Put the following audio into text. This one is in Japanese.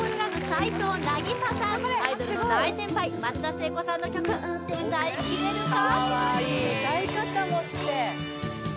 齊藤なぎささんアイドルの大先輩松田聖子さんの曲歌いきれるか？